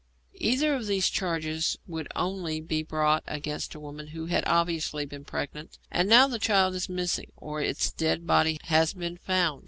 Either of these charges would only be brought against a woman who had obviously been pregnant, and now the child is missing or its dead body has been found.